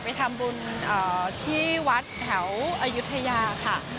ไปทำบุญที่วัดแถวอายุทยาค่ะ